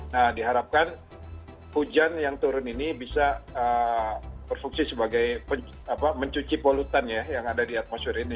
nah diharapkan hujan yang turun ini bisa berfungsi sebagai mencuci polutan ya yang ada di atmosfer ini